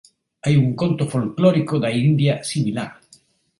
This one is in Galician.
Hai un conto folclórico da India similar.